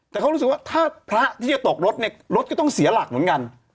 แต่เขารู้สึกว่าถ้าพระที่จะตกรถเนี่ยรถก็ต้องเสียหลักเหมือนกัน